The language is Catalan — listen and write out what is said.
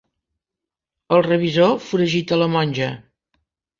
El revisor foragita la monja.